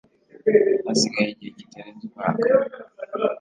hasigaye igihe kitarenze umwaka